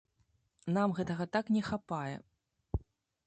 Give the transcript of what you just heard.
Нам гэтага так не хапае!